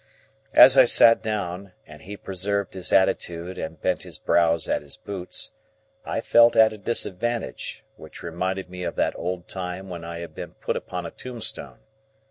As I sat down, and he preserved his attitude and bent his brows at his boots, I felt at a disadvantage, which reminded me of that old time when I had been put upon a tombstone.